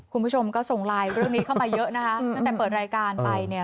คุณผู้ชมก็ส่งไลน์เรื่องนี้เข้ามาเยอะนะคะตั้งแต่เปิดรายการไปเนี่ย